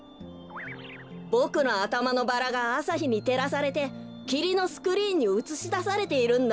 ボクのあたまのバラがあさひにてらされてきりのスクリーンにうつしだされているんだ。